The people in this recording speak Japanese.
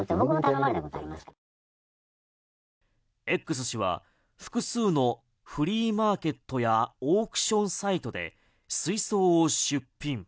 Ｘ氏は複数のフリーマーケットやオークションサイトで水槽を出品。